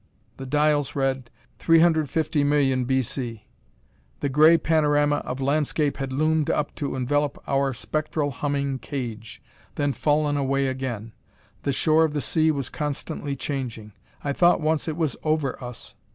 The dials read 350,000,000 B. C. The gray panorama of landscape had loomed up to envelope our spectral, humming cage, then fallen away again. The shore of the sea was constantly changing. I thought once it was over us.